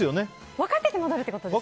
分かってて戻るってことですね。